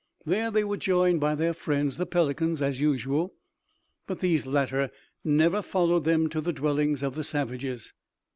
There they were joined by their friends the pelicans as usual, but these latter never followed them to the dwellings of the savages.